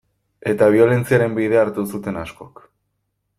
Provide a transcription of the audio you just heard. Eta biolentziaren bidea hartu zuten askok.